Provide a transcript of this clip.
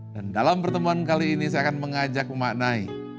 dan dalam pertemuan kali ini saya akan mengajak memaknai